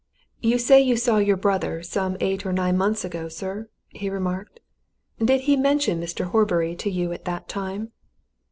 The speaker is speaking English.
"You say you saw your brother some eight or nine months ago, sir?" he remarked. "Did he mention Mr. Horbury to you at that time?"